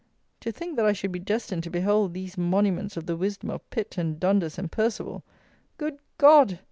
To think that I should be destined to behold these monuments of the wisdom of Pitt and Dundas and Perceval! Good God!